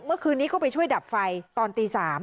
เมื่อคืนนี้ก็ไปช่วยดับไฟตอนตี๓